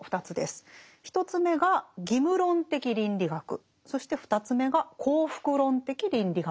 １つ目が「義務論的倫理学」そして２つ目が「幸福論的倫理学」。